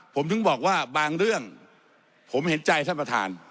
ผมถึงบอกว่าบางเรื่องผมเห็นใจท่านประธาน